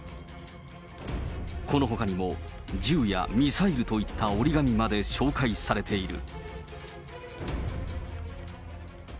このほかにも銃やミサイルといった折り紙まで紹介されている。